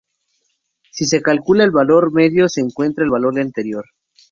Si se calcula el valor medio, se encuentra el valor anterior.